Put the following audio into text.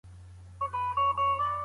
نېکمرغي په بل هیڅ ځای کي نسته.